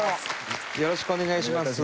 よろしくお願いします。